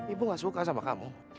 ibu gak suka sama kamu